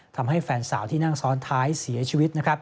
ทำให้แฟนสาวที่นั่งซ้อนท้ายเสียชีวิต